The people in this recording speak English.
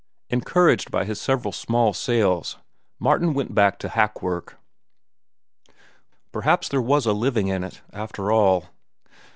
Encouraged by his several small sales, Martin went back to hack work. Perhaps there was a living in it, after all.